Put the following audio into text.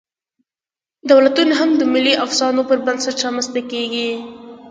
دولتونه هم د ملي افسانو پر بنسټ رامنځ ته کېږي.